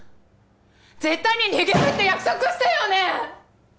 絶対に逃げるって約束したよね！？